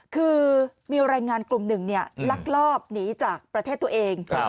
คือมีรายงานกลุ่มหนึ่งลักลอบหนีจากประเทศตัวเอง